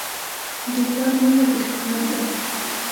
د پلار مینه بېقیمت ده.